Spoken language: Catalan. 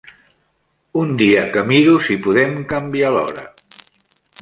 Un dia que miro si podem canviar l'hora.